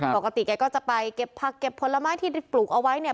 ปกติแกก็จะไปเก็บผักเก็บผลไม้ที่ปลูกเอาไว้เนี่ย